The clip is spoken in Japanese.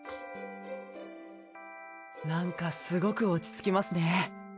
なんかすごく落ち着きますね。